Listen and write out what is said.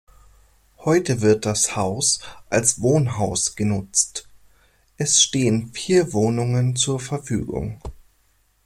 Heute wird das Haus als Wohnhaus genutzt, es stehen vier Wohnungen zur Verfügung.